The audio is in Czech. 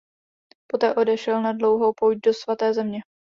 Poté odešel na dlouhou pouť do Svaté země.